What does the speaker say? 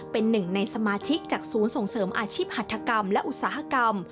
เป็นหนึ่งในสมาชิกจากศูนย์ส่งเสริมอาชีพหัฐกรรมและอุตสาหกรรม